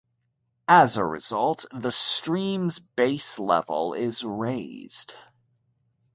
As a result, the stream's base level is raised.